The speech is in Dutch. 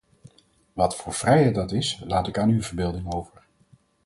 Wat voor vrijheid dat is laat ik aan uw verbeelding over.